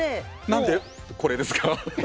なんでこれですか？